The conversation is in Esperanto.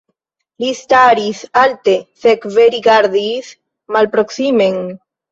Li staris alte, sekve rigardis malproksimen.